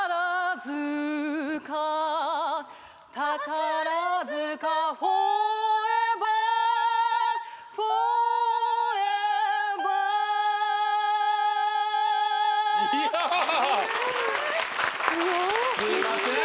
すいません